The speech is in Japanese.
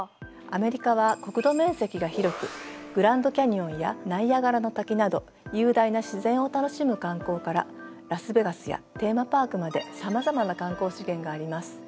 アメリカは国土面積が広くグランドキャニオンやナイアガラの滝など雄大な自然を楽しむ観光からラスベガスやテーマパークまでさまざまな観光資源があります。